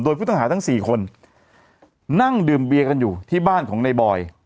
โดยผู้ต้องหาทั้ง๔คนนั่งดื่มเบียกันอยู่ที่บ้านของในบอย